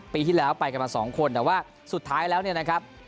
ปีที่แล้วไปกันมาสองคนแต่ว่าสุดท้ายแล้วเนี่ยนะครับ